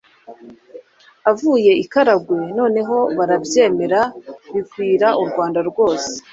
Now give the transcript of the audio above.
avuye i Karagwe. Noneho barabyemera bikwira u Rwanda rwose.